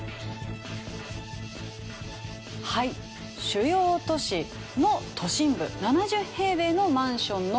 主要都市の都心部７０平米のマンションの価格です。